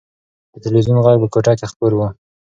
د تلویزون غږ په کوټه کې خپور و.